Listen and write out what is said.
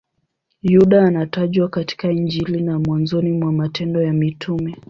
Yuda anatajwa katika Injili na mwanzoni mwa Matendo ya Mitume.